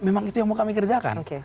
memang itu yang mau kami kerjakan